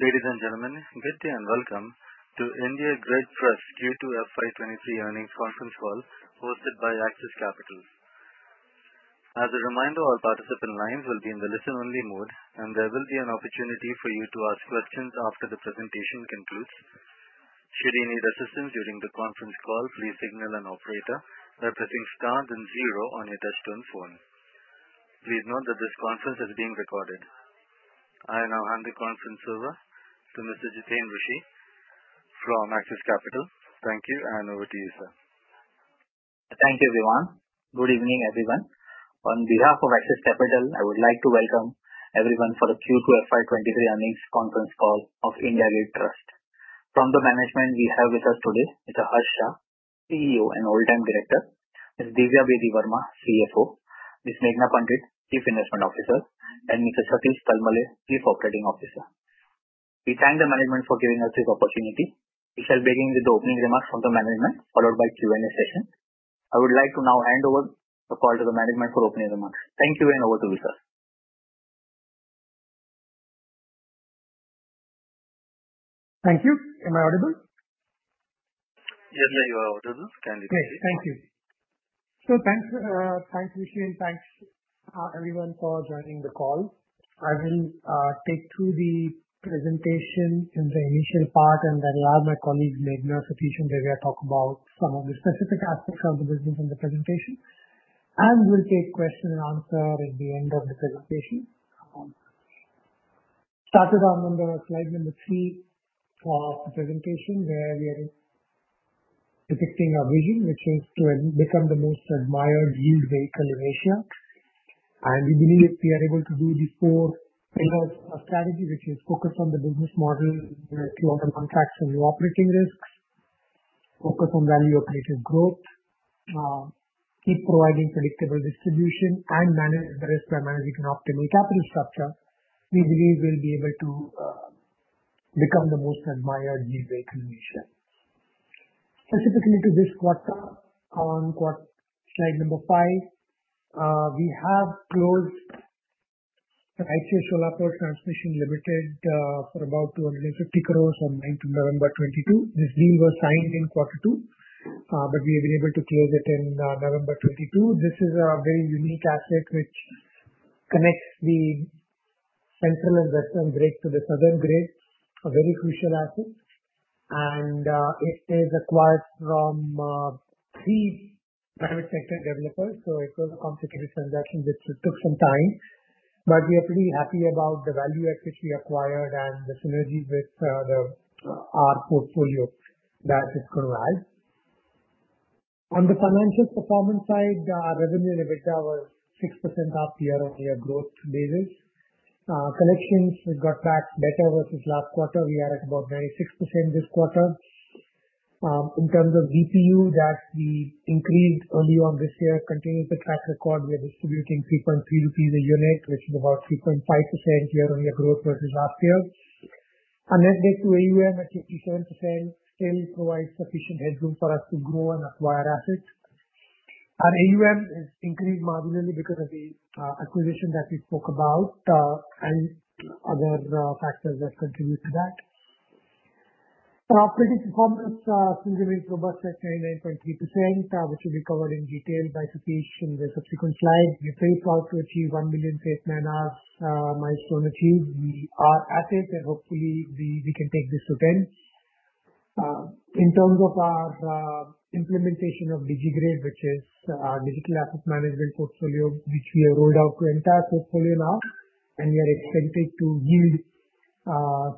Ladies, and gentlemen, good day and welcome to IndiGrid Infrastructure Trust Q2 FY 2023 Earnings Conference Call hosted by Axis Capital. As a reminder, all participant lines will be in the listen-only mode, and there will be an opportunity for you to ask questions after the presentation concludes. Should you need assistance during the conference call, please signal an operator by pressing star then zero on your touchtone phone. Please note that this conference is being recorded. I now hand the conference over to Mr. Jiteen Rushe from Axis Capital. Thank you, and over to you, sir. Thank you, everyone. Good evening, everyone. On behalf of Axis Capital, I would like to welcome everyone for the Q2 FY 2023 Earnings Conference Call of IndiGrid Infrastructure Trust. From the management we have with us today is Mr. Harsh Shah, CEO and Whole-time Director. Ms. Divya Bedi Verma, CFO. Ms. Meghana Pandit, Chief Investment Officer, and Mr. Satish Talmale, Chief Operating Officer. We thank the management for giving us this opportunity. We shall begin with the opening remarks from the management, followed by Q&A session. I would like to now hand over the call to the management for opening remarks. Thank you, and over to you, sir. Thank you. Am I audible? Yes, sir. You are audible. Kindly proceed. Great. Thank you. So thanks, Rushe, and thanks, everyone for joining the call. I will take through the presentation in the initial part, and then allow my colleagues Meghna, Satish, and Divya talk about some of the specific aspects of the business in the presentation. We'll take question and answer at the end of the presentation. Started on the slide number three for the presentation where we are depicting our vision, which is to become the most admired grid vehicle in Asia. We believe we are able to do the four pillars of strategy which is focused on the business model, long-term contracts and low operating risks. Focus on value accretive growth. Keep providing predictable distribution and manage the risk by managing optimal capital structure. We believe we'll be able to become the most admired grid vehicle in Asia. Specifically to this quarter, on slide number five. We have closed the Jhajjar KT Transco Private Limited for about 250 crore on 9 November 2022. This deal was signed in quarter two, but we were able to close it in November 2022. This is a very unique asset which connects the central and western grid to the southern grid. A very crucial asset. It is acquired from three private sector developers. It was a complicated transaction which took some time, but we are pretty happy about the value at which we acquired and the synergies with our portfolio that it's gonna add. On the financial performance side, revenue and EBITDA was 6% year-on-year growth basis. Collections, we got back better versus last quarter. We are at about 96% this quarter. In terms of DPU that we increased early on this year, continuing the track record, we are distributing 3.3 rupees a unit, which is about 3.5% year-on-year growth versus last year. Our net debt to AUM at 87% still provides sufficient headroom for us to grow and acquire assets. Our AUM has increased marginally because of the acquisition that we spoke about and other factors that contribute to that. Our operating performance continuing robust at 99.3%, which will be covered in detail by Satish in the subsequent slide. Remained fault-free to achieve 1 million safe man-hours, milestone achieved. We are at it and hopefully we can take this to 10. In terms of our implementation of DigiGrid, which is digital asset management portfolio, which we have rolled out to entire portfolio now. We are expected to yield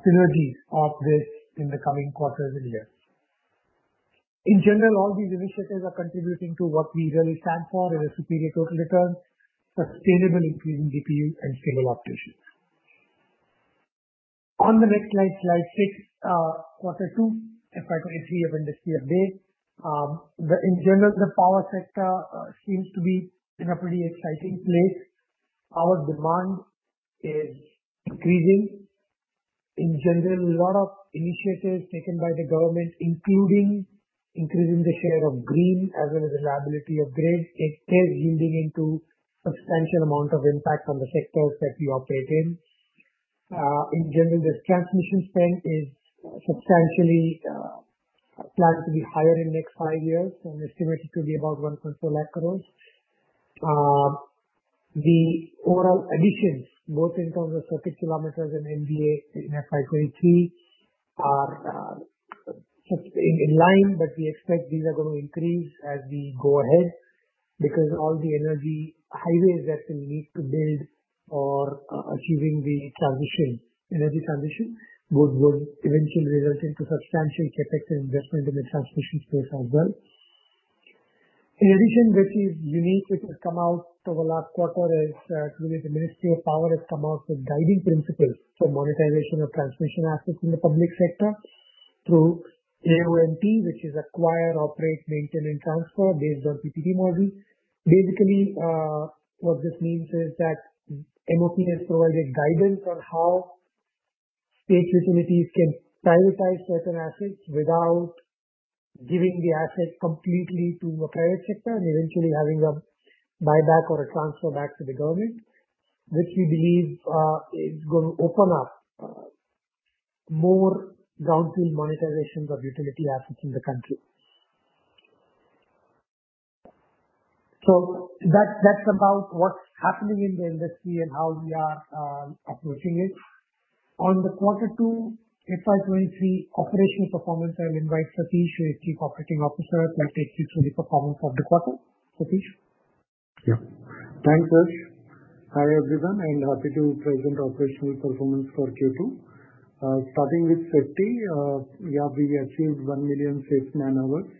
synergies of this in the coming quarters and years. In general, all these initiatives are contributing to what we really stand for, a superior total return, sustainable increasing DPU and similar operations. On the next slide six, quarter two FY 2023 industry update. In general, the power sector seems to be in a pretty exciting place. Power demand is increasing. In general, lot of initiatives taken by the government, including increasing the share of green as well as reliability of grid, it is yielding into substantial amount of impact on the sectors that we operate in. In general, this transmission spend is substantially planned to be higher in next five years and estimated to be about 1.4 lakh crore. The overall additions, both in terms of circuit kilometers and MVA in FY 2023 are sustained in line, but we expect these are gonna increase as we go ahead because all the energy highways that we need to build for achieving the transition, energy transition, would eventually result into substantial CapEx investment in the transmission space as well. In addition, which is unique, which has come out over last quarter is, Ministry of Power has come out with guiding principles for monetization of transmission assets in the public sector through AOMT, which is acquire, operate, maintain and transfer based on PPA model. Basically, what this means is that MoP has provided guidance on how state utilities can prioritize certain assets without giving the asset completely to a private sector and eventually having a buyback or a transfer back to the government, which we believe, is going to open up, more greenfield monetizations of utility assets in the country. That's about what's happening in the industry and how we are approaching it. On the quarter two FY 2023 operational performance, I'll invite Satish, Chief Operating Officer, to take you through the performance of the quarter. Satish? Yeah. Thanks, Harsh. Hi, everyone, and happy to present operational performance for Q2. Starting with safety, yeah, we achieved 1 million safe man-hours.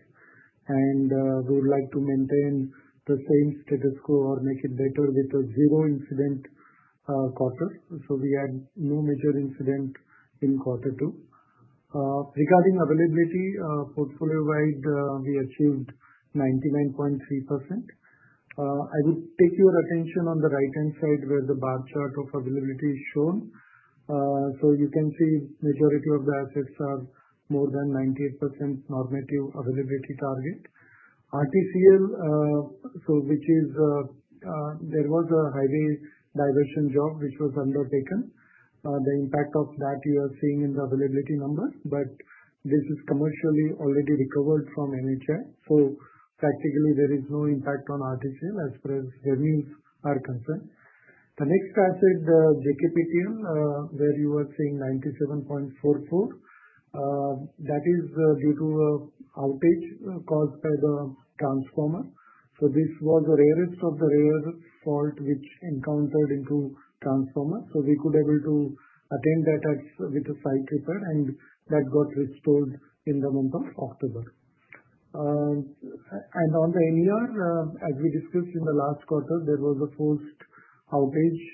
We would like to maintain the same status quo or make it better with a zero incident quarter. We had no major incident in quarter two. Regarding availability, portfolio-wide, we achieved 99.3%. I will take your attention on the right-hand side where the bar chart of availability is shown. You can see majority of the assets are more than 98% normative availability target. RTCL, which is, there was a highway diversion job which was undertaken. The impact of that you are seeing in the availability numbers, but this is commercially already recovered from NHAI. Practically there is no impact on RTCL as far as revenues are concerned. The next asset, JKPCL, where you were seeing 97.44%, that is due to an outage caused by the transformer. This was the rarest of the rarest fault which was encountered in the transformer. We were able to attend that with a site visit, and that got restored in the month of October. And on the NER, as we discussed in the last quarter, there was a forced outage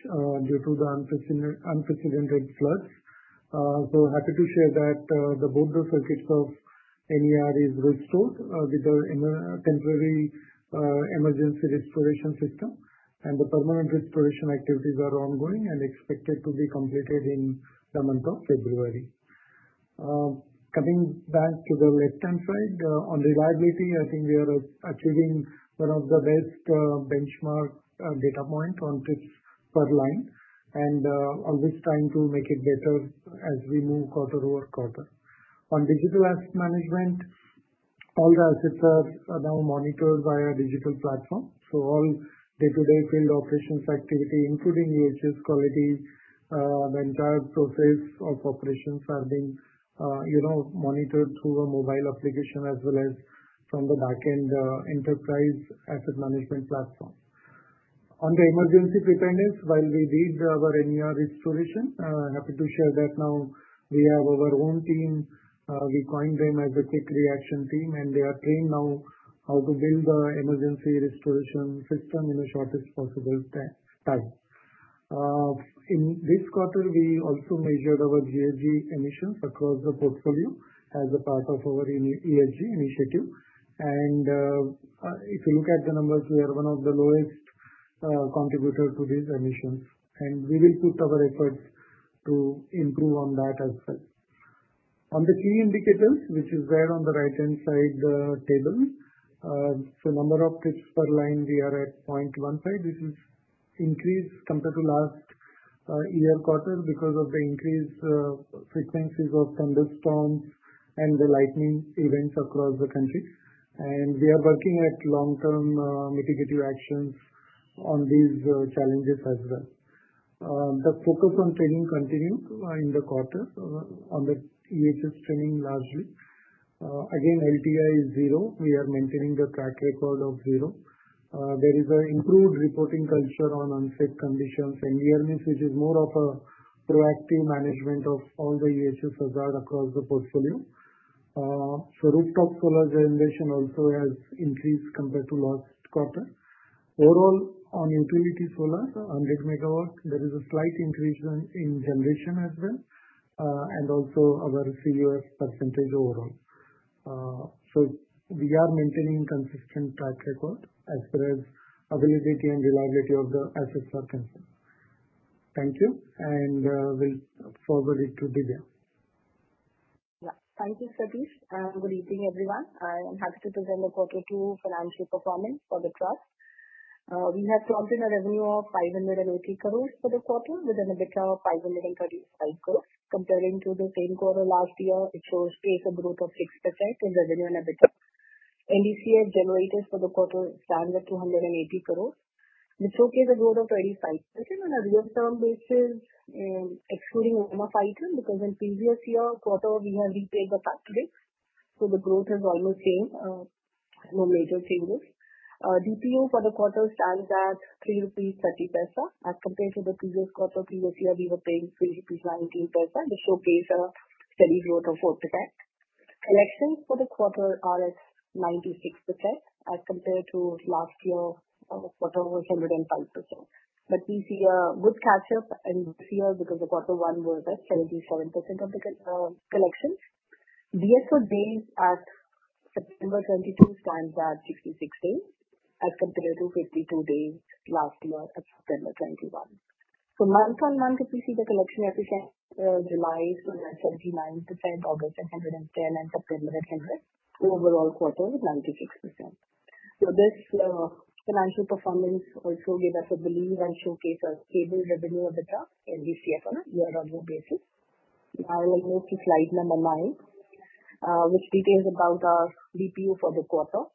due to the unprecedented floods. Happy to share that both the circuits of NER are restored with the emergency restoration system. The permanent restoration activities are ongoing and expected to be completed in the month of February. Coming back to the left-hand side, on reliability, I think we are achieving one of the best benchmark data point on trips per line and always trying to make it better as we move quarter-over-quarter. On digital asset management, all the assets are now monitored by a digital platform. All day-to-day field operations activity, including EHS quality, the entire process of operations are being, you know, monitored through a mobile application as well as from the back-end enterprise asset management platform. On the emergency preparedness, while we did our NER restoration, happy to share that now we have our own team. We coined them as a quick reaction team, and they are trained now how to build an emergency restoration system in the shortest possible time. In this quarter, we also measured our GHG emissions across the portfolio as a part of our ESG initiative. If you look at the numbers, we are one of the lowest contributors to these emissions, and we will put our efforts to improve on that as well. On the key indicators, which is there on the right-hand side, tables. Number of trips per line, we are at 0.15. This is increase compared to last year quarter because of the increased frequencies of thunderstorms and the lightning events across the country. We are working at long-term mitigative actions on these challenges as well. The focus on training continues in the quarter on the EHS training largely. Again, LTI is zero. We are maintaining the track record of zero. There is an improved reporting culture on unsafe conditions, near-miss, which is more of a proactive management of all the EHS observed across the portfolio. Rooftop solar generation also has increased compared to last quarter. Overall, on utility solar, 100 MW, there is a slight increase in generation as well, and also our CUF percentage overall. We are maintaining consistent track record as far as availability and reliability of the assets are concerned. Thank you, and we'll forward it to Divya. Yeah. Thank you, Satish. Good evening, everyone. I am happy to present the quarter two financial performance for the trust. We have clocked in a revenue of 580 crores for the quarter with an EBITDA of 535 crores. Comparing to the same quarter last year, it shows pace of growth of 6% in revenue and EBITDA. NDCF generated for the quarter stands at 280 crores, which showcase a growth of 25% on a year-on-year basis, excluding one-off item, because in previous year quarter we have repaid the taxes, so the growth is almost same. No major changes. DPU for the quarter stands at 3.30 rupees. As compared to the previous quarter, previous year we were paying 3.19 rupees, which showcase a steady growth of 4%. Collections for the quarter are at 96% as compared to last year, quarter was 105%. We see a good catch-up in this year because the quarter one was at 77% of the collections. DSO days at September 2022 stands at 66 days as compared to 52 days last year at September 2021. Month-on-month, you see the collection efficiency, July was at 99%, August at 110%, and September at 100%. Overall quarter was 96%. This financial performance also gave us a belief and showcase our stable revenue EBITDA and DCF on a year-on-year basis. Now we'll move to slide number 9, which details about our DPU for the quarter.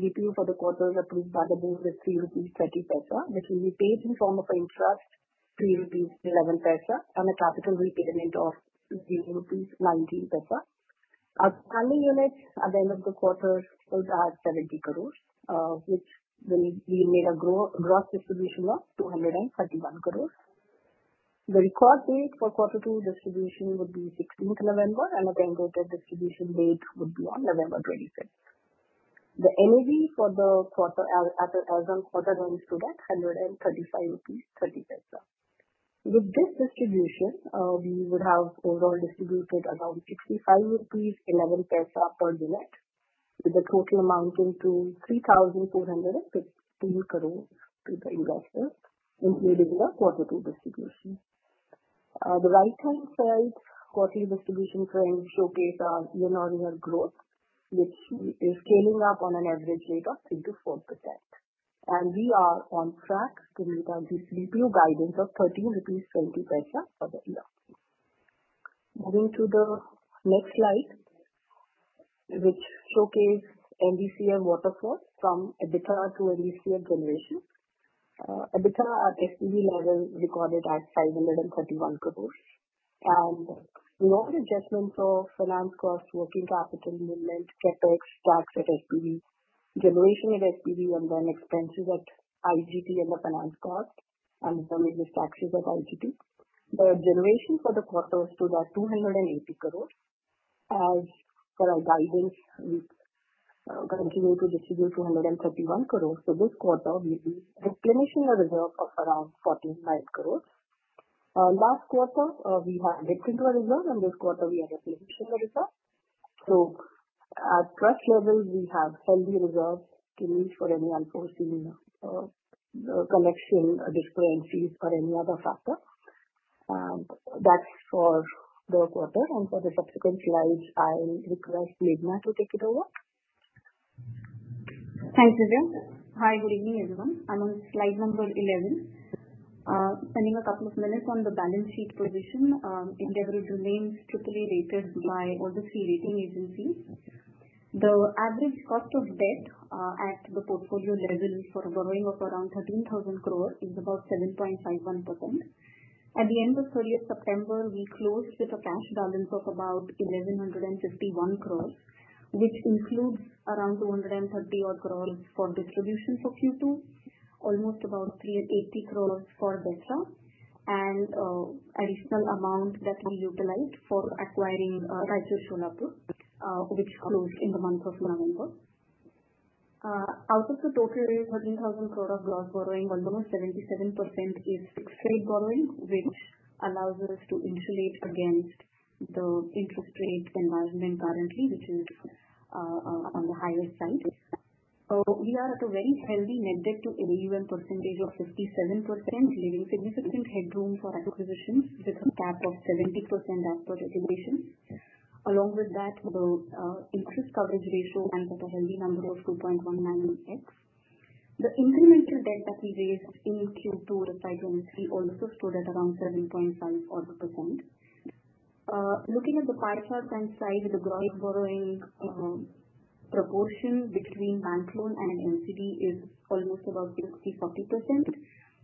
DPU for the quarter is approved by the board at 3.30, which will be paid in form of interest, 3.11 rupees, and a capital repayment of 2.19 rupees. Our unlisted units available quarter stood at 70 crore, which will be made a gross distribution of 231 crore. The record date for quarter two distribution would be 16th November, and the payment date for the distribution would be on November 25th. The NAV for the quarter as on quarter end stood at INR 135.30. With this distribution, we would have overall distributed about 65.11 per unit, with a total amounting to 3,415 crore to the investors, including the quarter two distribution. The right-hand side quarterly distribution trend showcase our year-on-year growth, which is scaling up on an average rate of 3%-4%. We are on track to meet our this DPU guidance of INR 13.20 for the year. Moving to the next slide, which showcase NDCF waterfalls from EBITDA to NDCF generation. EBITDA at SPV level recorded at 531 crore. We have adjustments of finance cost, working capital movement, CapEx, tax at SPV. Generation at SPV and then expenses at IndiGrid and the finance cost, and then there's taxes at IndiGrid. The generation for the quarter stood at 280 crore. As per our guidance, we continue to distribute 231 crore. This quarter will be replenishment of reserve of around 49 crore. Last quarter, we had taken a reserve, and this quarter we are replenishing the reserve. At current levels, we have healthy reserves to use for any unforeseen collection deficiencies or any other factor. That's for the quarter. For the subsequent slides, I'll request Meghana to take it over. Thanks, Meghana. Hi, good evening, everyone. I'm on slide number 11. Spending a couple of minutes on the balance sheet position. IndiGrid remains triply rated by all the three rating agencies. The average cost of debt at the portfolio level for a borrowing of around 13,000 crores is about 7.51%. At the end of 30th September, we closed with a cash balance of about 1,151 crores, which includes around 230-odd crores for distributions of Q2, almost 380 crores for BETA, and additional amount that we utilized for acquiring Raichur Sholapur, which closed in the month of November. Out of the total 13,000 crores of gross borrowing, almost 77% is fixed rate borrowing, which allows us to insulate against the interest rate environment currently, which is on the higher side. We are at a very healthy net debt-to-EBITDA percentage of 57%, leaving significant headroom for acquisitions with a cap of 70% as per regulation. Along with that, the interest coverage ratio ends at a healthy number of 2.19x. The incremental debt that we raised in Q2 of FY 2023 also stood at around 7.5-odd%. Looking at the pie chart and slide, the gross borrowing proportion between bank loan and NCD is almost about 60/40%.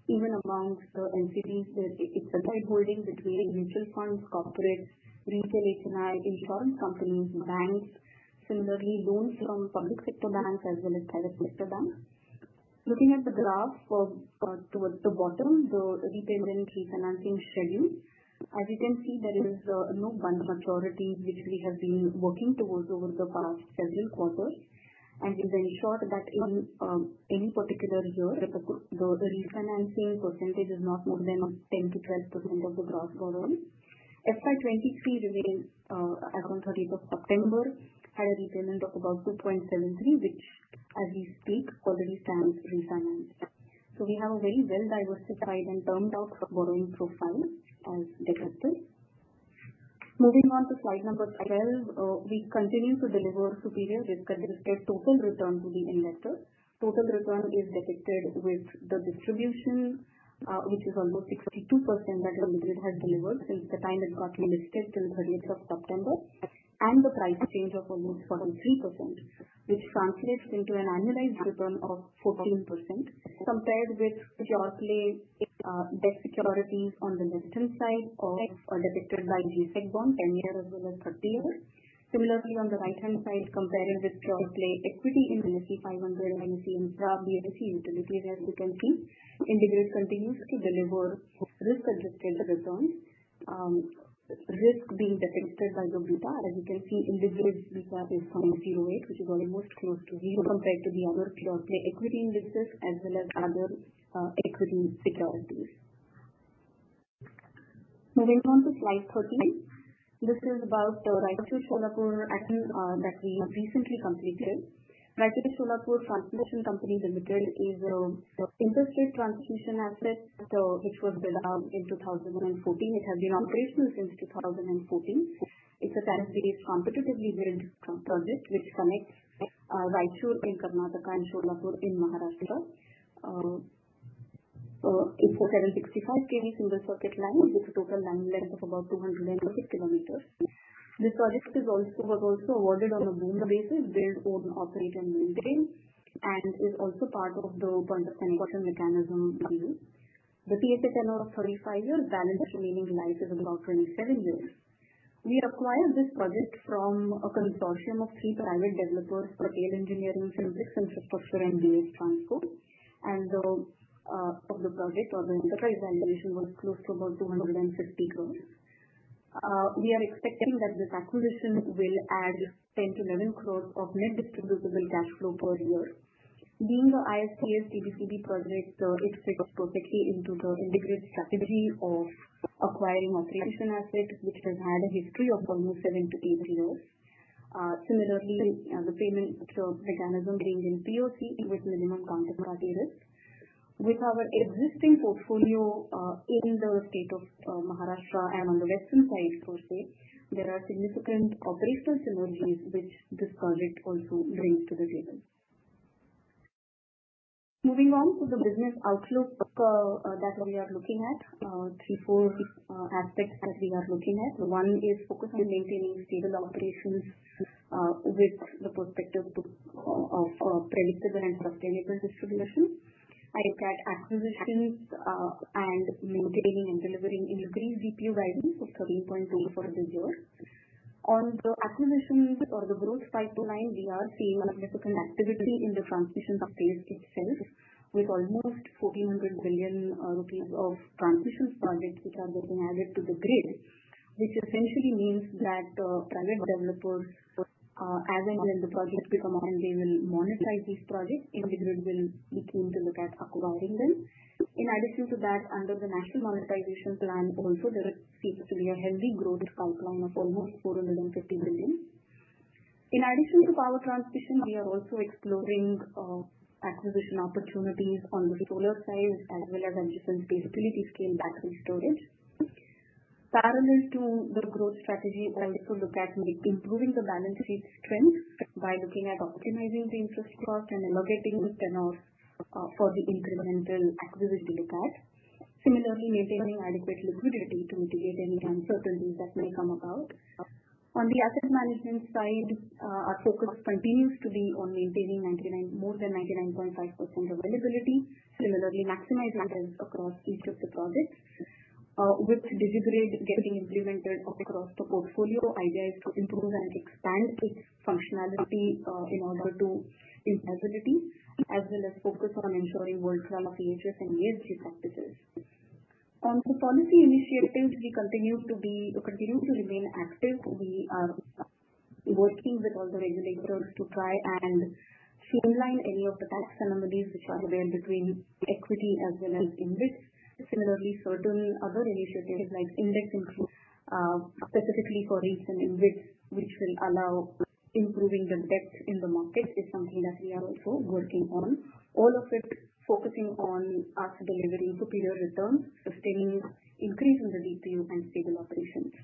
Even amongst the NCD, it's a wide holding between mutual funds, corporates, retail HNI, insurance companies, banks. Similarly, loans from public sector banks as well as private sector banks. Looking at the graph for, towards the bottom, the repayment refinancing schedule. As you can see, there is no bunching of maturities, which we have been working towards over the past several quarters. We've ensured that even any particular year, the refinancing percentage is not more than 10%-12% of the gross borrowings. FY 2023, as on the 30th of September, had a repayment of about 2.73, which as we speak, further is refinanced. We have a very well diversified and termed out borrowing profile as depicted. Moving on to slide number 12. We continue to deliver superior risk-adjusted total return to the investor. Total return is depicted with the distribution, which is almost 62% that IndiGrid has delivered since the time it got listed till 30th of September. The price change of almost 43%, which translates into an annualized return of 14% compared with pure play debt securities on the left-hand side are depicted by G-Sec bond, 10-year as well as 30 years. Similarly, on the right-hand side, comparing with pure play equity indices, Nifty 500, BSE Infra, BSE Utilities, as you can see, IndiGrid continues to deliver risk-adjusted returns. Risk being depicted by the beta. As you can see, IndiGrid's beta is 0.08, which is almost close to zero compared to the other pure play equity indices as well as other equity securities. Moving on to slide 13. This is about the Raichur Sholapur acquisition that we recently completed. Raichur Sholapur Transmission Company Limited is inter-state transmission asset which was built out in 2014. It has been operational since 2014. It's a tariff-based competitively bid project which connects Raichur in Karnataka and Solapur in Maharashtra. It's a 765 KV single circuit line with a total line length of about 250 km. This project was also awarded on a BOOM basis, Build Own Operate and Maintain, and is also part of the Pooled Payment mechanism deal. The TSA tenor of 35 years balance remaining life is about 27 years. We acquired this project from a consortium of three private developers, Patel Engineering, Simplex Infrastructure, and BS Limited. For the project or the enterprise valuation was close to about 250 crores. We are expecting that this acquisition will add 10 crores-11 crores of net distributable cash flow per year. Being the ISTS DBFOT project, it fits perfectly into the integrated strategy of acquiring a transmission asset which has had a history of almost seven to eight years. Similarly, the payment mechanism remains in PoC with minimum counterparty risk. With our existing portfolio in the state of Maharashtra and on the western side, per se, there are significant operational synergies which this project also brings to the table. Moving on to the business outlook that we are looking at, three to four aspects that we are looking at. One is focused on maintaining stable operations with the perspective of predictable and sustainable distributions and improve acquisitions and maintaining and delivering increased DPU guidance of 13.0 for this year. On the acquisitions or the growth pipeline, we are seeing significant activity in the transmission space itself with almost 1,400 billion rupees of transmission projects which are getting added to the grid, which essentially means that private developers as and when the projects become, and they will monetize these projects, IndiGrid will be keen to look at acquiring them. In addition to that, under the National Monetization Pipeline also there seems to be a healthy growth pipeline of almost 450 billion. In addition to power transmission, we are also exploring acquisition opportunities on the solar side as well as in different scalability scale battery storage. Parallel to the growth strategy, we also look at improving the balance sheet strength by looking at optimizing the interest cost and allocating the tenor for the incremental acquisitions to look at. Similarly, maintaining adequate liquidity to mitigate any uncertainties that may come about. On the asset management side, our focus continues to be on maintaining more than 99.5% availability. Similarly, maximize revenues across each of the projects. With DigiGrid getting implemented across the portfolio, idea is to improve and expand its functionality in order to improve visibility, as well as focus on ensuring world-class EHS practices. On the policy initiatives we continue to remain active. We are working with all the regulators to try and streamline any of the tax anomalies which are there between equity as well as InvIT. Similarly, certain other initiatives like index inclusion specifically for REITs and InvITs, which will allow improving the depth in the market, is something that we are also working on. All of it focusing on us delivering superior returns, sustaining increase in the DPU and stable operations.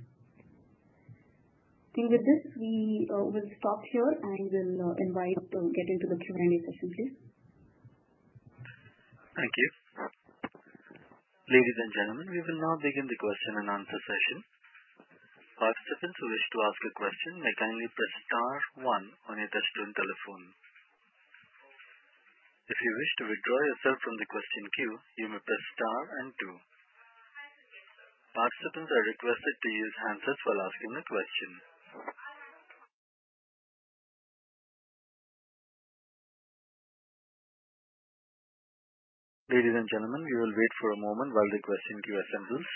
Thank you. With this, we will stop here and now get to the Q&A session, please. Thank you. Ladies, and gentlemen, we will now begin the question-and-answer session. Participants who wish to ask a question may kindly press star one on your touchtone telephone. If you wish to withdraw yourself from the question queue, you may press star and two. Participants are requested to use hands-free while asking the question. Ladies, and gentlemen, we will wait for a moment while the question queue assembles.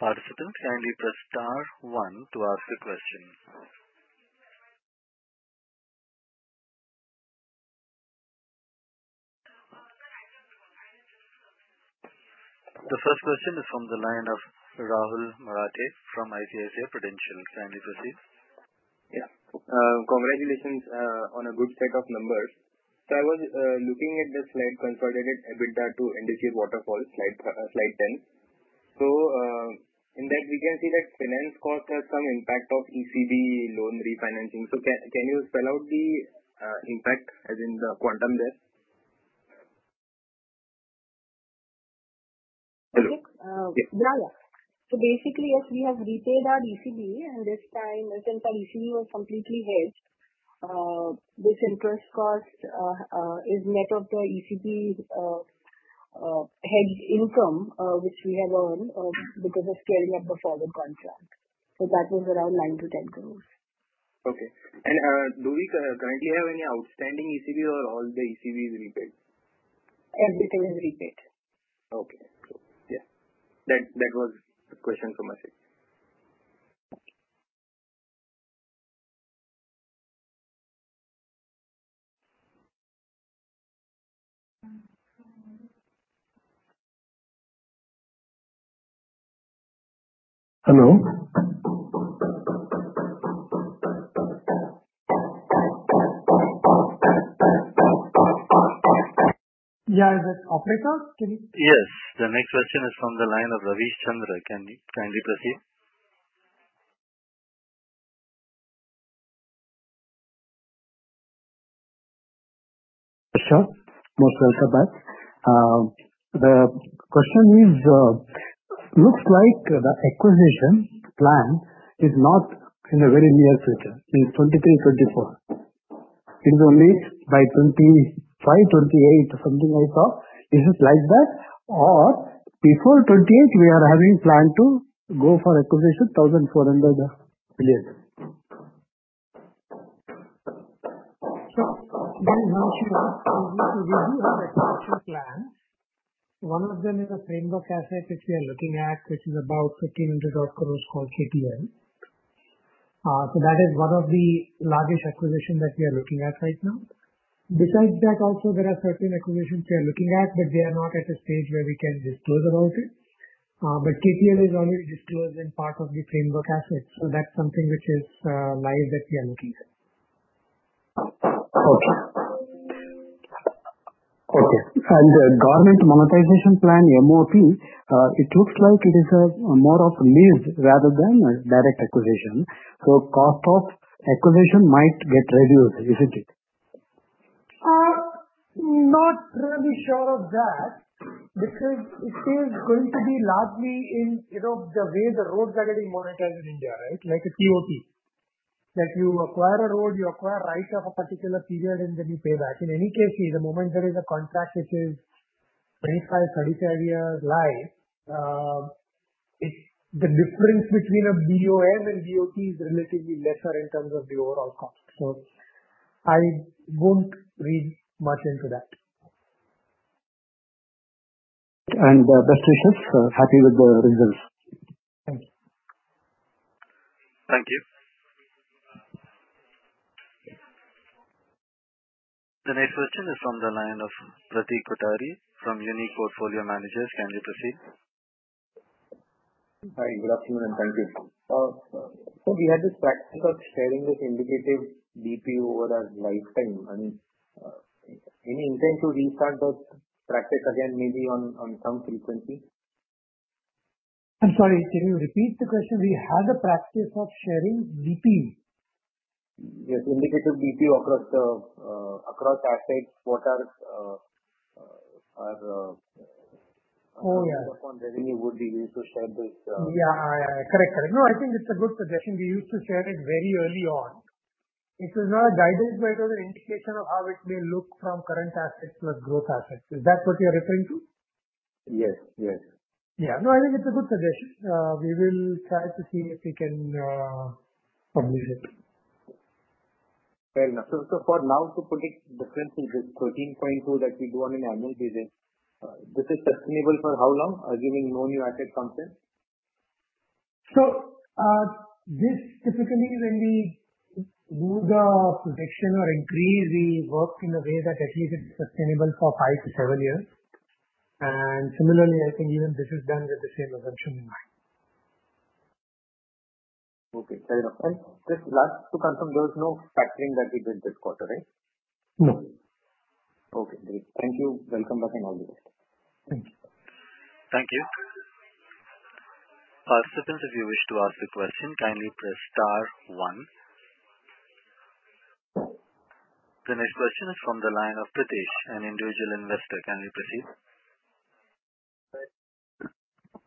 Participants kindly press star one to ask a question. The first question is from the line of Rahul Marathe from ICICI Prudential. Kindly proceed. Yeah. Congratulations on a good set of numbers. I was looking at the slide consolidated EBITDA to IndiGrid waterfall slide 10. In that we can see that finance cost has some impact of ECB loan refinancing. Can you spell out the impact as in the quantum there? Okay. Got that. Basically yes, we have repaid our ECB and this time since our ECB was completely hedged, this interest cost is net of the ECB's hedged income, which we have earned because of scaling up the forward contract. That was around 9 crore-10 crore. Do we currently have any outstanding ECB or all the ECB is repaid? Everything is repaid. Okay, cool. Yeah. That was the question from my side. Hello. Yeah. Is it operator? Yes. The next question is from the line of Ravish Chandra. Kindly proceed? Sure. Most welcome back. The question is, looks like the acquisition plan is not in the very near future, in 2023, 2024. It is only by 2028 or something I saw. Is it like that? Or before 2028 we are having plan to go for acquisition 1,400 billion. One of them is a framework asset which we are looking at, which is about INR 1,500 crore called JKTPL. That is one of the largest acquisition that we are looking at right now. Besides that, also there are certain acquisitions we are looking at, but they are not at a stage where we can disclose about it. JKTPL is already disclosed in part of the framework assets. That's something which is live that we are looking at. Government monetization plan, MoP, it looks like it is more of a lease rather than a direct acquisition. Cost of acquisition might get reduced, isn't it? Not really sure of that because it is going to be largely in, you know, the way the roads are getting monetized in India, right? Like a TOT. That you acquire a road, you acquire right of a particular period, and then you pay back. In any case, the moment there is a contract which is 25-35 years live, the difference between a BOOM and TOT is relatively lesser in terms of the overall cost. I won't read much into that. Best wishes. Happy with the results. Thank you. Thank you. The next question is from the line of Pratik Kothari from Unique Portfolio Managers. Kindly proceed. Hi. Good afternoon and thank you. We had this practice of sharing this indicative DPU over a lifetime. Any intent to restart those practice again, maybe on some frequency? I'm sorry, can you repeat the question? We had a practice of sharing DPU. Yes. Indicative DPU across assets. What are Oh, yeah. Based on revenue, would we use to share this? Yeah. Correct. No, I think it's a good suggestion. We used to share it very early on. It was not a guidance, but it was an indication of how it may look from current assets plus growth assets. Is that what you're referring to? Yes. Yes. Yeah. No, I think it's a good suggestion. We will try to see if we can publish it. Fair enough. For now, to predict difference in this 13.2% that we do on an annual basis, this is sustainable for how long, giving no new asset something? This typically, when we do the prediction or increase, we work in a way that at least it's sustainable for five to seven years. Similarly, I think even this is done with the same assumption in mind. Okay. Fair enough. Just to confirm, there is no factoring that we did this quarter, right? No. Okay, great. Thank you. Welcome back and all the best. Thank you. Thank you. Participants, if you wish to ask a question, kindly press star one. The next question is from the line of Pritesh, an Individual Investor. Kindly proceed.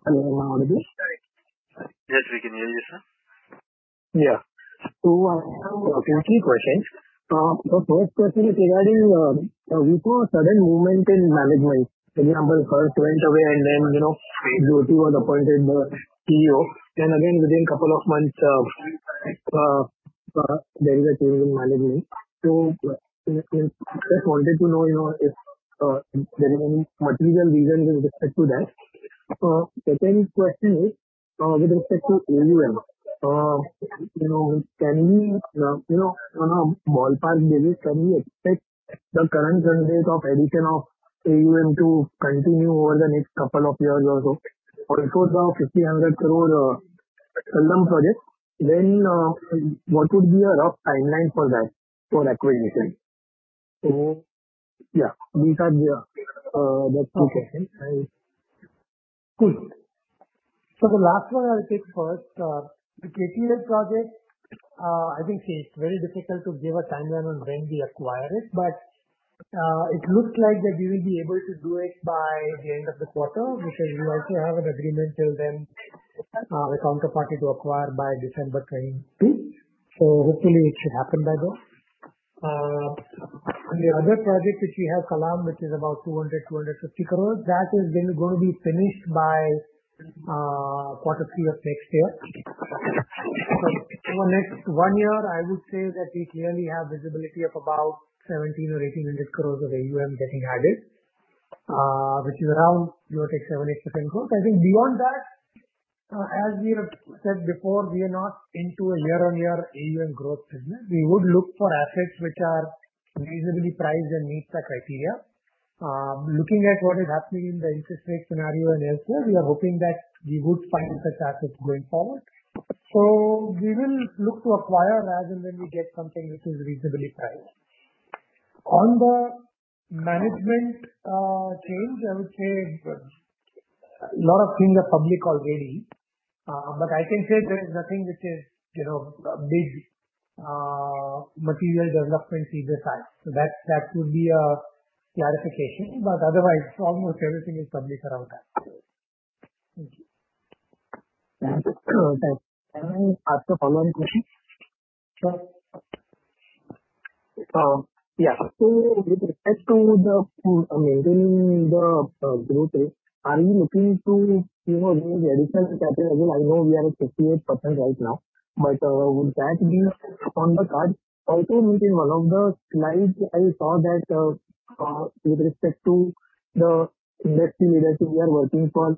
Hello. Am I audible? Yes, we can hear you, sir. Yeah. Two, three questions. First question is regarding, we saw a sudden movement in management. For example, first went away and then, you know, Jyoti was appointed the CEO. Then again within couple of months, there is a change in management. Just wanted to know, you know, if there is any material reason with respect to that. Second question is with respect to AUM. You know, can we, you know, on a ballpark basis, can we expect the current run rate of addition of AUM to continue over the next couple of years or so? For example, the INR 5,000 crore Kallam project, when, what would be a rough timeline for that, for acquisition? Yeah, these are the two questions. Cool. The last one I'll take first. The JKTPL project, I think it's very difficult to give a timeline on when we acquire it, but it looks like that we will be able to do it by the end of the quarter because we also have an agreement till then with counterparty to acquire by December 2023. Hopefully it should happen by then. The other project which we have, Kallam, which is about 250 crore, that is then going to be finished by quarter three of next year. For next one year, I would say that we clearly have visibility of about 1,700 crore-1,800 crore of AUM getting added, which is around 0.7%-0.8% growth. I think beyond that, as we have said before, we are not into a year-on-year AUM growth segment. We would look for assets which are reasonably priced and meets the criteria. Looking at what is happening in the interest rate scenario and elsewhere, we are hoping that we would find such assets going forward. We will look to acquire as and when we get something which is reasonably priced. On the management change, I would say a lot of things are public already. I can say there is nothing which is, you know, a big, material development in this side. That would be a clarification. Otherwise, almost everything is public around that. Thank you. Thanks. Can I ask a follow-on question? Sure. Yeah. With respect to maintaining the growth rate, are you looking to, you know, raise additional capital? I know we are at 58% right now, but would that be on the cards? Also, I think in one of the slides I saw that with respect to the industry leadership, we are working for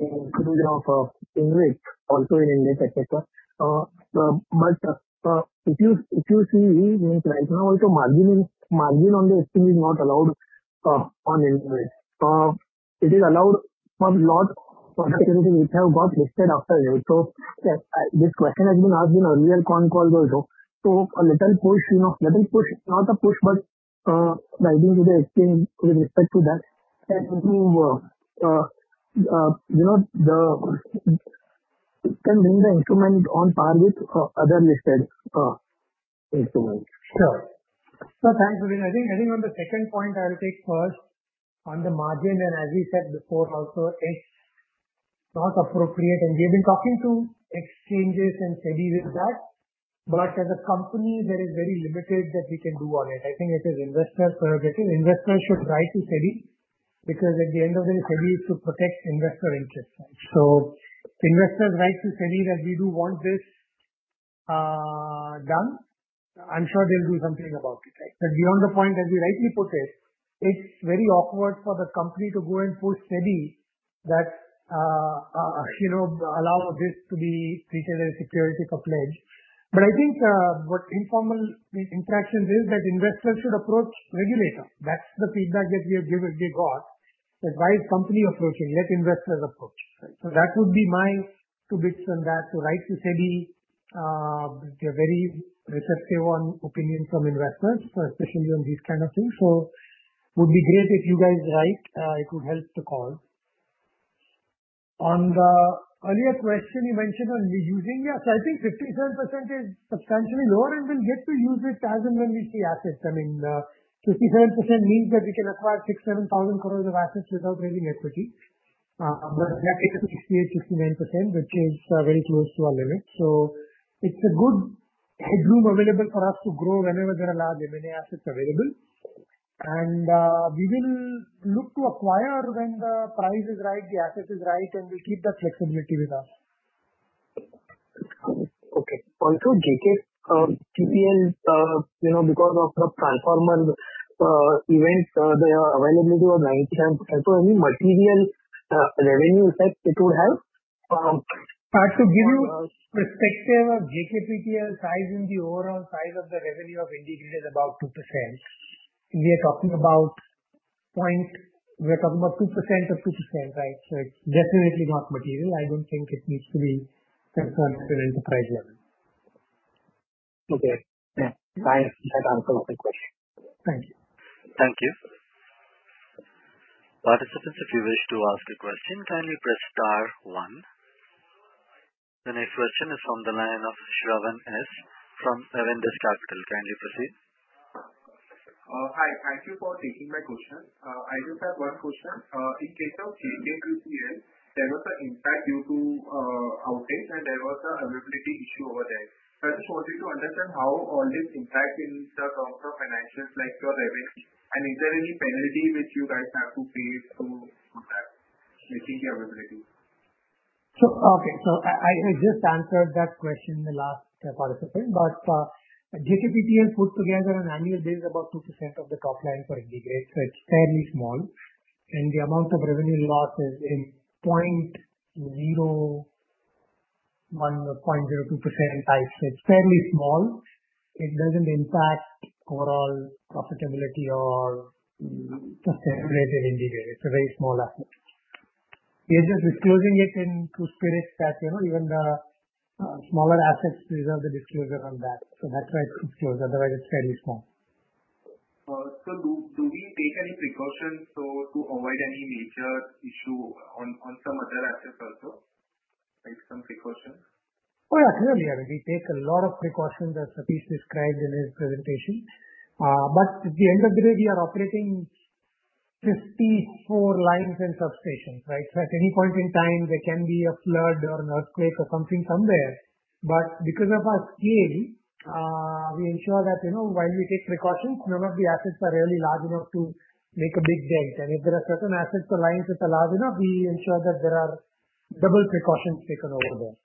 inclusion of InvIT also in InvIT sector. But if you see in InvIT right now also margin on the exchange is not allowed on InvIT. It is allowed for lot of other entities which have got listed after you. This question has been asked in earlier con call also. A little push, you know, not a push, but by writing to the exchange with respect to that can bring the instrument on par with other listed instruments. Sure. Thanks, Pritesh. I think on the second point I'll take first. On the margin, and as we said before also, it's not appropriate. We've been talking to exchanges and SEBI with that. As a company, there is very limited that we can do on it. I think it is investor's prerogative. Investors should write to SEBI because at the end of the day, SEBI is to protect investor interest, right? Investors write to SEBI that we do want this done. I'm sure they'll do something about it, right? Beyond the point, as you rightly put it's very awkward for the company to go and push SEBI that, you know, allow this to be treated as security for pledge. I think what informal interactions is that investors should approach regulator. That's the feedback that we got. That's why the company is approaching? Let investors approach, right? That would be my two bits on that. Write to SEBI. They're very receptive on opinion from investors, especially on these kind of things. Would be great if you guys write. It would help the cause. On the earlier question you mentioned on reusing. Yes, I think 57% is substantially lower, and we'll get to use it as and when we see assets. I mean, 57% means that we can acquire 6,000 crore-7,000 crore of assets without raising equity. But we have taken to 68%-69%, which is very close to our limit. It's a good headroom available for us to grow whenever there are large M&A assets available. We will look to acquire when the price is right, the asset is right, and we'll keep that flexibility with us. Okay. Also, JKTPL, you know, because of the transformer event, the availability of 90%. So any material revenue effect it would have? To give you perspective of JKTPL size in the overall size of the revenue of IndiGrid is about 2%. We are talking about 2% of 2%, right? It's definitely not material. I don't think it needs to be concerned at enterprise level. Okay. Yeah. That answers my question. Thank you. Thank you. Participants, if you wish to ask a question, kindly press star one. The next question is from the line of Shravan Sreenivasula. from Avendus Capital. Kindly proceed. Hi. Thank you for taking my question. I just have one question. In case of JKTPL, there was an impact due to outage and there was an availability issue over there. I just wanted to understand how all this impact in the quarter financials, like your revenue. Is there any penalty which you guys have to pay to, for that, reducing availability? I just answered that question in the last participant. JKTPL puts together an annual base about 2% of the top line for IndiGrid, so it's fairly small. The amount of revenue loss is in 0.01% or 0.02%, I'd say. It's fairly small. It doesn't impact overall profitability or, you know, just revenue in IndiGrid. It's a very small asset. We are just disclosing it in true spirit that, you know, even the smaller assets deserve the disclosure on that. That's why it's disclosed, otherwise it's fairly small. Do we take any precautions so to avoid any major issue on some other assets also? Like some precautions? Oh, yeah. Sure, we are. We take a lot of precautions as Satish described in his presentation. At the end of the day, we are operating 54 lines and substations, right? At any point in time, there can be a flood or an earthquake or something somewhere. Because of our scale, we ensure that, you know, while we take precautions, none of the assets are really large enough to make a big dent. If there are certain assets or lines which are large enough, we ensure that there are double precautions taken over there.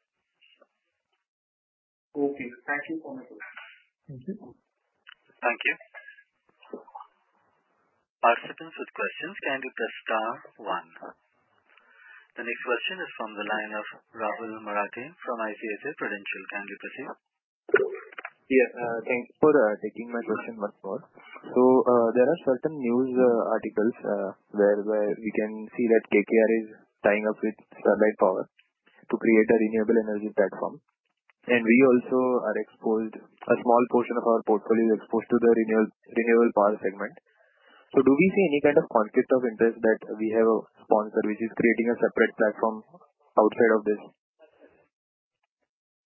Okay. Thank you for your time. Thank you. Thank you. Participants with questions can press star one. The next question is from the line of Rahul Marathe from ICICI Prudential. Kindly proceed. Yeah. Thanks for taking my question once more. There are certain news articles where we can see that KKR is tying up with Sterlite Power to create a renewable energy platform. We also are exposed. A small portion of our portfolio is exposed to the renewable power segment. Do we see any kind of conflict of interest that we have a sponsor which is creating a separate platform outside of this?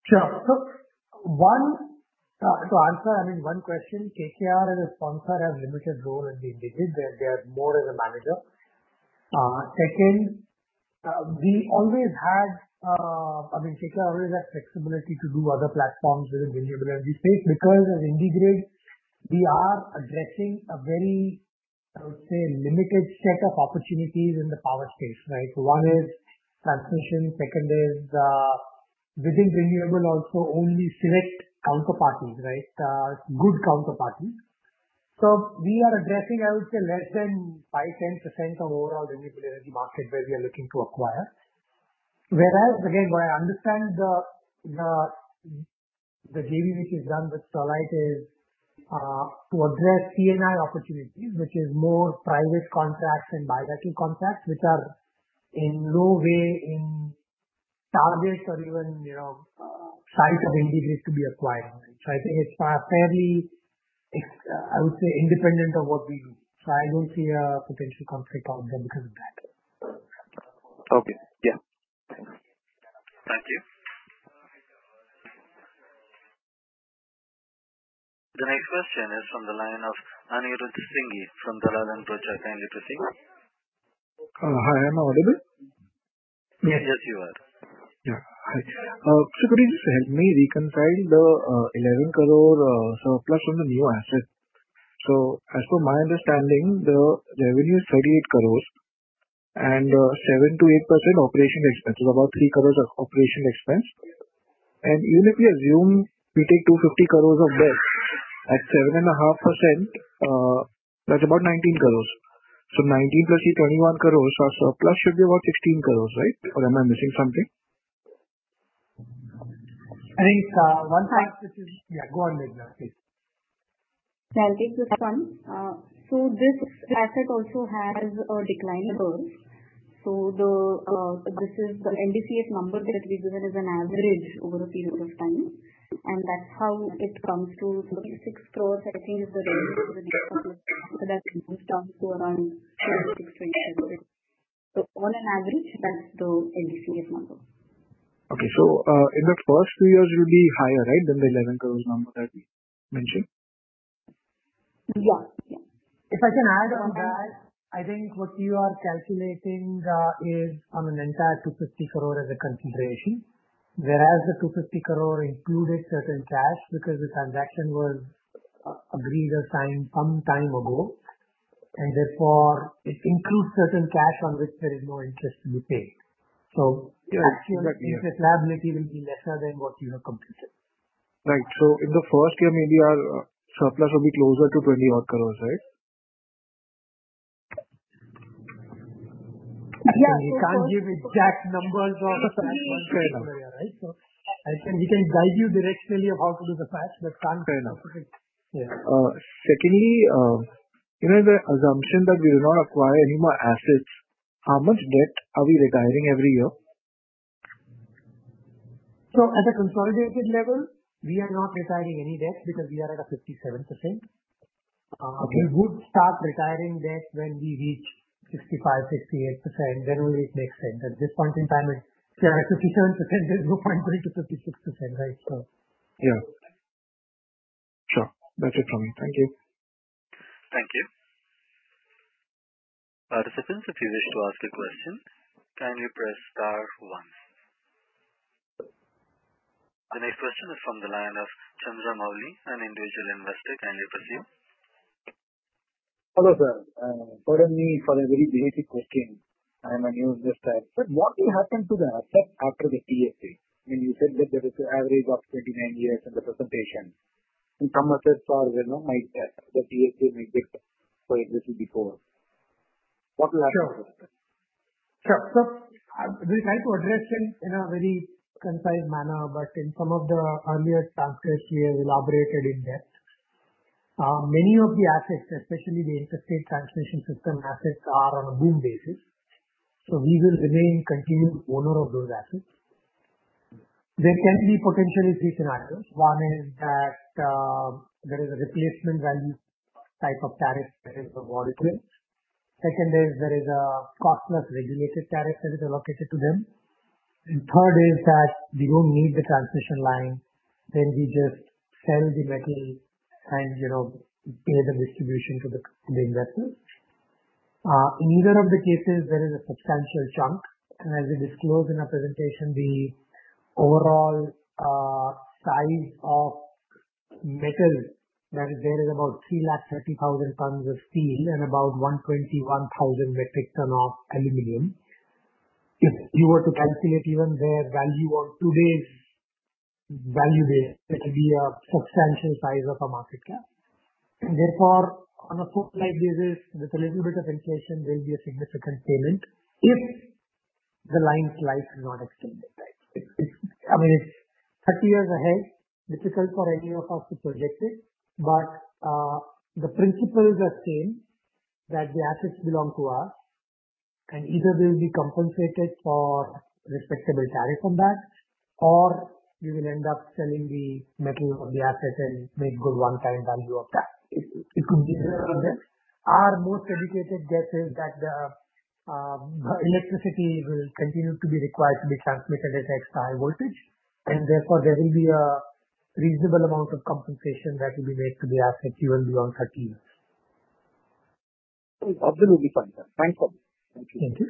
Sure. To answer one question, KKR as a sponsor has limited role at the IndiGrid. They are more as a manager. Second, KKR always had flexibility to do other platforms within renewable energy space because as IndiGrid, we are addressing a very, I would say, limited set of opportunities in the power space, right? One is transmission. Second is within renewable, also only select counterparties, right? Good counterparties. We are addressing, I would say, less than 5%-10% of overall renewable energy market where we are looking to acquire. Whereas again, what I understand the JV which is done with Sterlite is to address C&I opportunities, which is more private contracts and bilateral contracts, which are in no way in targets or even, you know, size of IndiGrid to be acquired. I think it's fairly, I would say, independent of what we do. I don't see a potential conflict out of there because of that. Okay. Yeah. Thanks. Thank you. The next question is from the line of Anirudh Singhi from Dalal & Broacha. Kindly proceed. Hi. Am I audible? Yes. Yes, you are. Yeah. Hi. Could you just help me reconcile the 11 crore surplus on the new asset? As per my understanding, the revenue is INR 38 crores and 7%-8% operation expense is about 3 crores of operation expense. Even if we assume we take 250 crores of debt at 7.5%, that's about 19 crores. 19 + INR 3, 21 crores. Our surplus should be about 16 crores, right? Or am I missing something? I think one part which is. Hi. Yeah, go on, Meghana, please. I'll take this one. This asset also has a decline curve. This is the NDCF number that we give it is an average over a period of time, and that's how it comes to 36 crore, I think, that comes to around 10 crore-16 crore. On an average, that's the NDCF number. Okay. In the first few years it will be higher, right, than the 11 crore number that we mentioned. Yeah. Yeah. If I can add on that, I think what you are calculating is on an entire 250 crore as a consideration, whereas the 250 crore included certain cash because the transaction was agreed or signed some time ago, and therefore it includes certain cash on which there is no interest to be paid. Yeah. Actually this liability will be lesser than what you have computed. Right. In the first year, maybe our surplus will be closer to 20-odd crore, right? Yeah. We can't give exact numbers, right? I think we can guide you directionally of how to do the math, but can't- Fair enough. Yeah. Secondly, in the assumption that we will not acquire any more assets, how much debt are we retiring every year? At a consolidated level, we are not retiring any debt because we are at a 57%. Okay. We would start retiring debt when we reach 65%-68%, then only it makes sense. At this point in time, it's, yeah, 57%, there's no point going to 56%, right? So. Yeah. Sure. That's it from me. Thank you. Thank you. Participants, if you wish to ask a question, kindly press star one. The next question is from the line of Chandramouli, an Individual Investor. Kindly proceed. Hello, sir. Pardon me for a very basic question. I'm a new investor. What will happen to the asset after the TSA? I mean, you said that there is an average of 29 years in the presentation. In some assets or the TSA might be for existing before. What will happen to the asset? Sure. I will try to address in a very concise manner, but in some of the earlier transcripts, we have elaborated in that. Many of the assets, especially the interstate transmission system assets, are on a BOOM basis, so we will remain continuing owner of those assets. There can be potentially three scenarios. One is that there is a replacement value type of tariff that is awarded to it. Second is there is a cost plus regulated tariff that is allocated to them. Third is that we don't need the transmission line, then we just sell the metal and, you know, pay the distribution to the investors. In either of the cases, there is a substantial chunk. As we disclosed in our presentation, the overall size of metal, right, there is about 330,000 tons of steel and about 121,000 metric tons of aluminum. If you were to calculate even their value on today's value there. It will be a substantial size of a market cap. Therefore, on a full life basis, with a little bit of inflation, there will be a significant payment if the line's life is not extended, right? I mean, it's 30 years ahead, difficult for any of us to project it. The principles are same, that the assets belong to us, and either we'll be compensated for respectable tariff on that, or we will end up selling the metal of the asset and make good one-time value of that. It could be somewhere in there. Our most educated guess is that the electricity will continue to be required to be transmitted at extra high voltage, and therefore there will be a reasonable amount of compensation that will be made to the asset even beyond 30 years. Absolutely fine, sir. Fine for me. Thank you.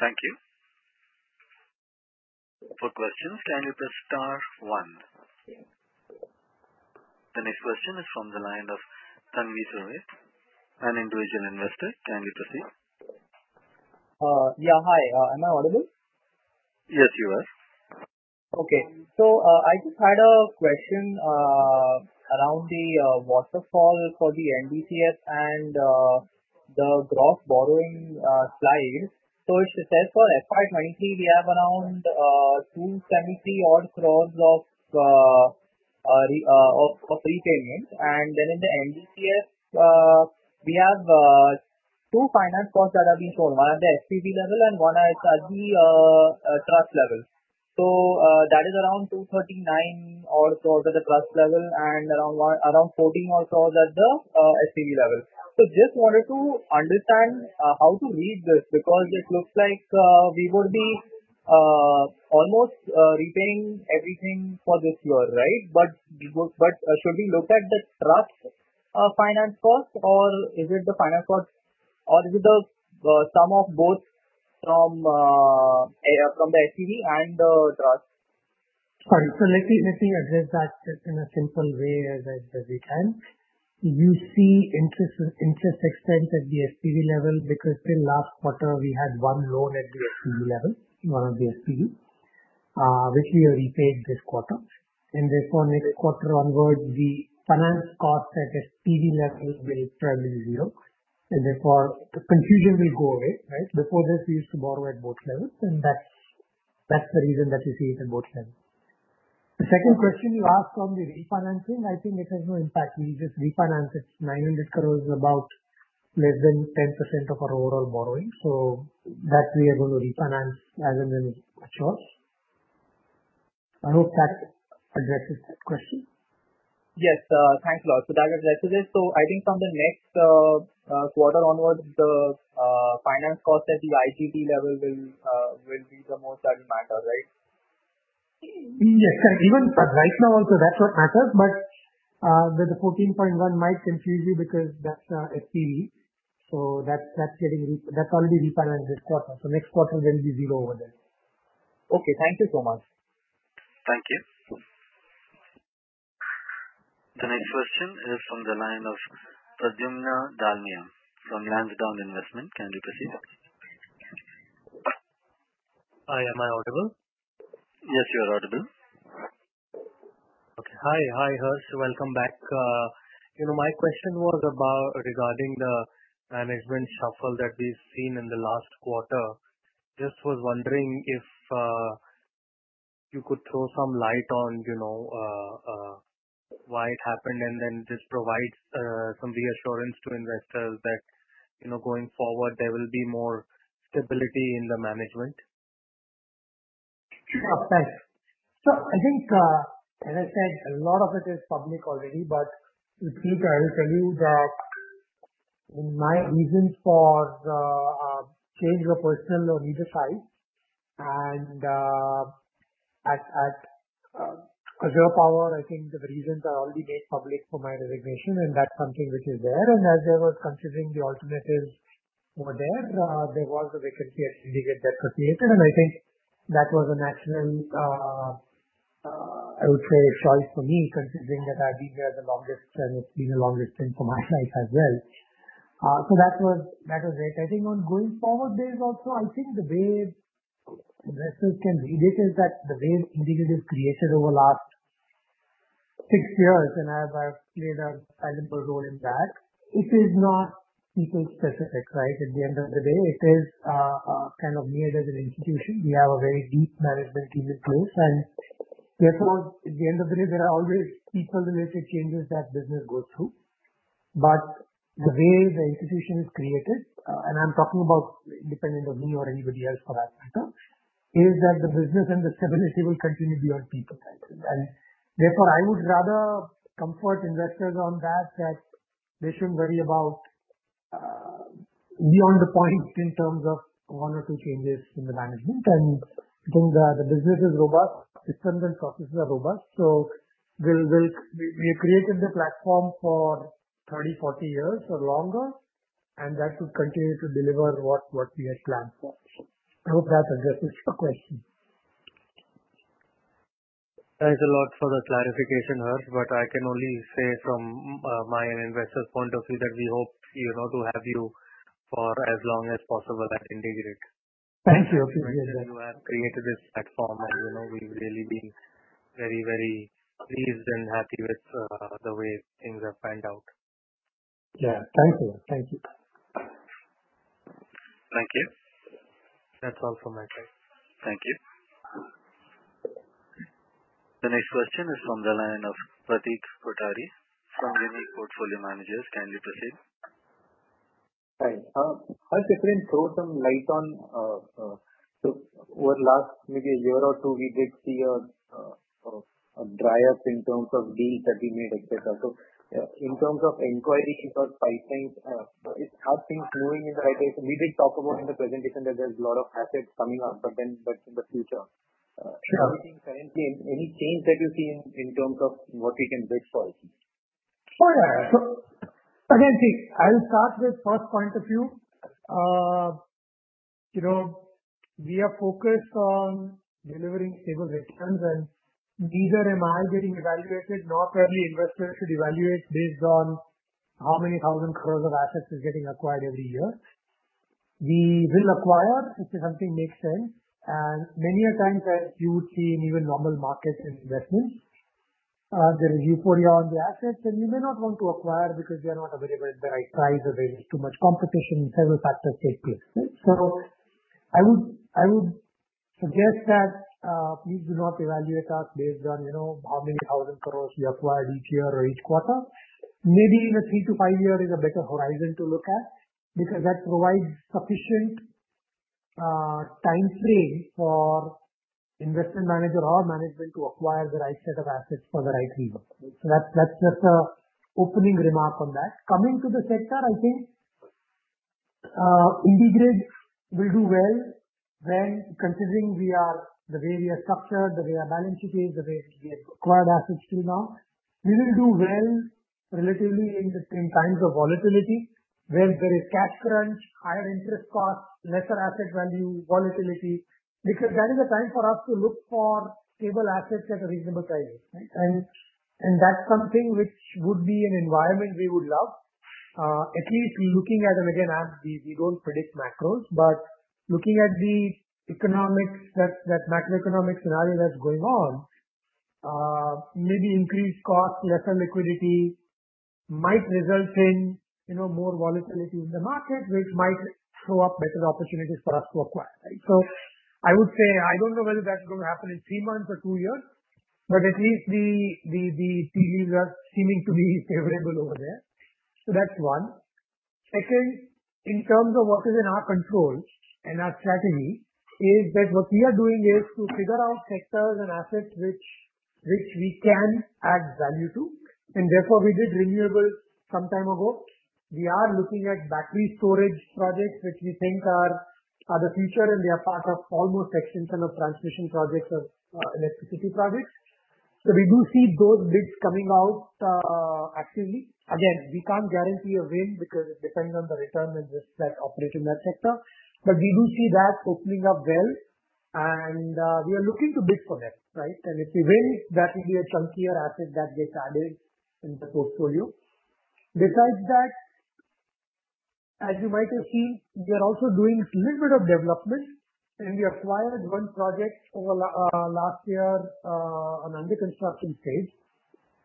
Thank you. For questions, can you press star one? The next question is from the line of Tanvi Sourtie, an Individual Investor. Kindly proceed. Yeah. Hi, am I audible? Yes, you are. Okay. I just had a question around the waterfall for the NDCF and the gross borrowing slide. It says for FY 2023 we have around 270-odd crores of prepayment. In the NDCF, we have two finance costs that are being shown. One at the SPV level and one at the trust level. That is around 239-odd crores at the trust level and around 14-odd crores at the SPV level. Just wanted to understand how to read this because it looks like we would be almost repaying everything for this year, right? Should we look at the trust finance cost, or is it the finance cost, or is it the sum of both from the SPV and the trust? Right. Let me address that just in a simple way as we can. You see interest expense at the SPV level because till last quarter we had one loan at the SPV level, one of the SPV which we have repaid this quarter. Therefore next quarter onwards, the finance cost at SPV level will be permanently zero. Therefore the confusion will go away, right? Before this we used to borrow at both levels, and that's the reason that you see it in both levels. The second question you asked on the refinancing, I think it has no impact. We just refinanced it. 900 crores is about less than 10% of our overall borrowing. That we are gonna refinance as and when it's due. I hope that addresses that question. Yes. Thanks a lot. That addresses it. I think from the next quarter onwards, the finance cost at the IGT level will be the most that matter, right? Yes. Even right now also that's what matters, but the 14.1 might confuse you because that's SPV. So that's already refinanced this quarter, so next quarter there'll be zero over there. Okay. Thank you so much. Thank you. The next question is from the line of Pradyumna Dalmia from Triton Investment. Kindly proceed. Hi, am I audible? Yes, you are audible. Okay. Hi. Hi, Harsh. Welcome back. You know, my question was about regarding the management shuffle that we've seen in the last quarter. Just was wondering if you could throw some light on, you know, why it happened, and then just provide some reassurance to investors that, you know, going forward there will be more stability in the management. Yeah. Thanks. I think, as I said, a lot of it is public already, but to repeat, I will tell you the, my reasons for the, change of personnel on either side. At Azure Power, I think the reasons are already made public for my resignation and that's something which is there. As I was considering the alternatives over there was a vacancy at IndiGrid that was created, and I think that was a natural, I would say choice for me, considering that I've been there the longest and it's been the longest stint for my life as well. That was it. I think going forward, there is also, I think the way investors can read it is that the way IndiGrid is created over last six years, and I've played a pivotal role in that, it is not people specific, right? At the end of the day, it is kind of made as an institution. We have a very deep management team in place. Therefore, at the end of the day, there are always people-related changes that business goes through. The way the institution is created, and I'm talking about independent of me or anybody else for that matter, is that the business and the stability will continue beyond people. Therefore I would rather comfort investors on that they shouldn't worry about beyond the point in terms of one or two changes in the management. I think the business is robust. Systems and processes are robust. We have created the platform for 30, 40 years or longer, and that should continue to deliver what we had planned for. I hope that addresses your question. Thanks a lot for the clarification, Harsh, but I can only say from my investor's point of view that we hope, you know, to have you for as long as possible at IndiGrid. Thank you. You have created this platform and, you know, we've really been very, very pleased and happy with the way things have panned out. Yeah. Thank you. Thank you. Thank you. That's all from my side. Thank you. The next question is from the line of Pratik Kothari from Unique Portfolio Managers. Kindly proceed. Hi. If you can throw some light on so over last maybe a year or two, we did see a dry up in terms of deals that we made, et cetera. In terms of inquiries, our pipeline has been moving in the right direction. We did talk about in the presentation that there's a lot of assets coming up, but in the future. Sure. How we think currently, any change that you see in terms of what we can wait for? Sure. Again, see, I'll start with first point of view. You know, we are focused on delivering stable returns and neither am I getting evaluated, nor probably investors should evaluate based on how many thousand crores of assets is getting acquired every year. We will acquire if something makes sense. Many a times, as you would see in even normal markets in investments, there is euphoria on the assets and we may not want to acquire because they are not available at the right price or there is too much competition and several factors take place. I would suggest that, please do not evaluate us based on, you know, how many thousand crores we acquire each year or each quarter. Maybe in a three to five year is a better horizon to look at because that provides sufficient time frame for investment manager or management to acquire the right set of assets for the right reason. That's opening remark on that. Coming to the sector, I think IndiGrid will do well when considering we are the way we are structured, the way our balance sheet is, the way we acquired assets till now. We will do well relatively in between times of volatility, where there is cash crunch, higher interest costs, lesser asset value volatility, because that is a time for us to look for stable assets at a reasonable price. Right? That's something which would be an environment we would love. At least looking at it again, as we don't predict macros, but looking at the economics that macroeconomic scenario that's going on, maybe increased costs, lesser liquidity might result in, you know, more volatility in the market, which might throw up better opportunities for us to acquire. Right? I would say I don't know whether that's going to happen in three months or two years, but at least the feelings are seeming to be favorable over there. That's one. Second, in terms of what is in our control and our strategy is that what we are doing is to figure out sectors and assets which we can add value to. Therefore we did renewables some time ago. We are looking at battery storage projects, which we think are the future and they are part of an extension of transmission projects of electricity projects. We do see those bids coming out actively. Again, we can't guarantee a win because it depends on the return and risk that operate in that sector. We do see that opening up well and we are looking to bid for that, right? If we win that will be a chunkier asset that gets added in the portfolio. Besides that, as you might have seen, we are also doing little bit of development and we acquired one project last year in under construction stage.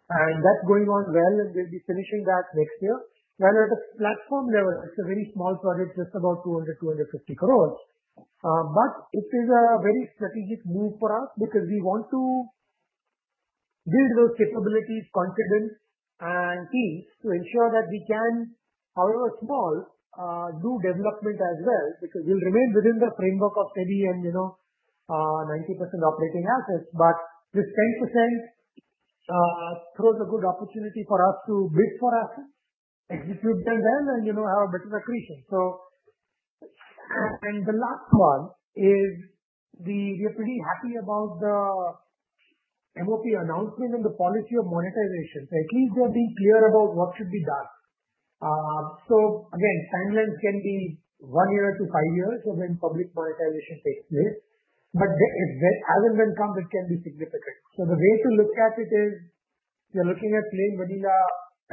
That's going on well, and we'll be finishing that next year. While at a platform level it's a very small project, just about 250 crores. But it is a very strategic move for us because we want to build those capabilities, confidence and ease to ensure that we can, however small, do development as well, because we'll remain within the framework of steady and you know, 90% operating assets. But this 10% throws a good opportunity for us to bid for assets, execute them well, and you know, have a bit of accretion. We are pretty happy about the MoP announcement and the policy of monetization. At least they're being clear about what should be done. Again, timelines can be one year to five years when public monetization takes place. As and when done, it can be significant. The way to look at it is you're looking at plain vanilla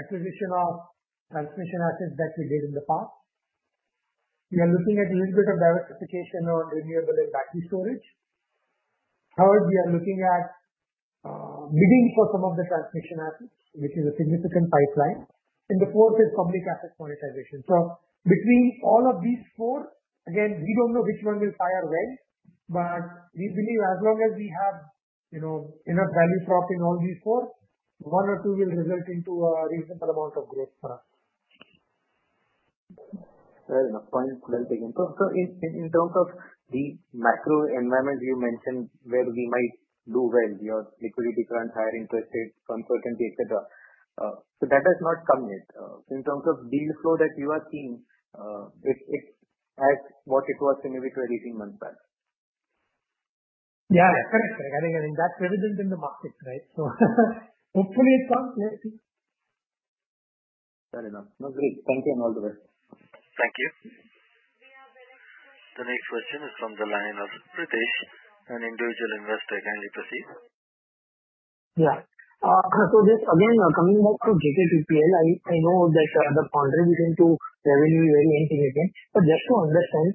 acquisition of transmission assets that we did in the past. We are looking at little bit of diversification on renewable and battery storage. Third, we are looking at bidding for some of the transmission assets, which is a significant pipeline. The fourth is public asset monetization. Between all of these four, again, we don't know which one will fire when, but we believe as long as we have, you know, enough value drop in all these four, one or two will result into a reasonable amount of growth for us. Fair enough, point well taken. In terms of the macro environment you mentioned where we might do well, your liquidity crunch, higher interest rates, uncertainty, et cetera. That has not come yet. In terms of deal flow that you are seeing, it's as what it was, say, maybe 12, 18 months back. Yeah. Correct. I mean, that's evident in the markets, right? Hopefully it comes. Yeah. Fair enough. No, great. Thank you and all the best. Thank you. The next question is from the line of Pritesh, an Individual Investor. Kindly proceed. Yeah. So just again, coming back to JKTPL, I know that the contribution to revenue is very insignificant. Just to understand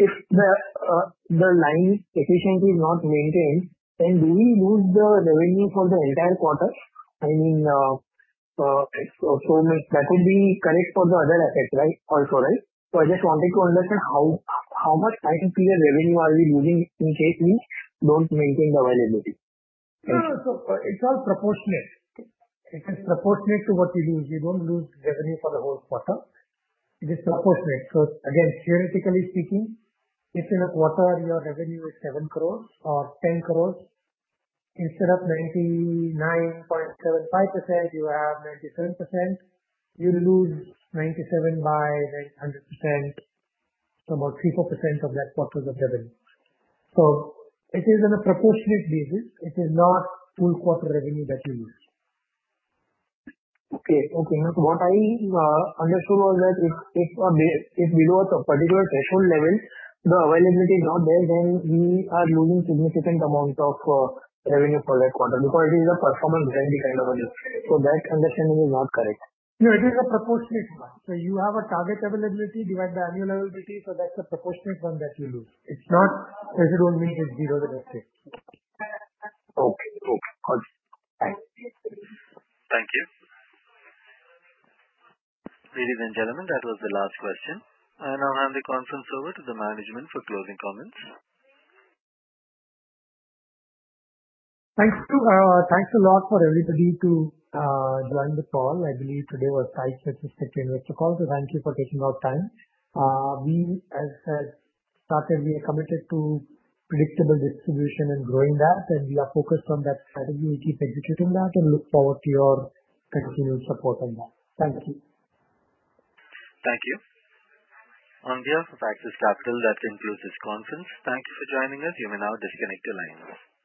if the line efficiency is not maintained, then do we lose the revenue for the entire quarter? I mean, so that would be correct for the other assets, right? Also, right. I just wanted to understand how much JKTPL revenue are we losing in case we don't maintain the availability. No, it's all proportionate. It is proportionate to what you lose. You don't lose revenue for the whole quarter. It is proportionate. Again, theoretically speaking, if in a quarter your revenue is 7 crore or 10 crore, instead of 99.75%, you have 97%, you'll lose 97% by 100%, so about 3% or 4% of that quarter's revenue. It is on a proportionate basis. It is not full quarter revenue that you lose. Okay. Okay. What I understood was that if below a particular threshold level the availability is not there, then we are losing significant amount of revenue for that quarter because it is a performance guarantee kind of a thing. That understanding is not correct. No, it is a proportionate one. You have a target availability, divide the annual availability. That's the proportionate one that you lose. It's not as if only it's zero the next day. Okay. Okay, cool. Thanks. Thank you. Ladies, and gentlemen, that was the last question. I now hand the conference over to the management for closing comments. Thanks a lot for everybody to join the call. I believe today was high participation, which is cool. Thank you for taking the time. We, as stated, are committed to predictable distribution and growing that, and we are focused on that strategy. We'll keep executing that and look forward to your continuous support on that. Thank you. Thank you. On behalf of Axis Capital, that concludes this conference. Thank you for joining us. You may now disconnect your line.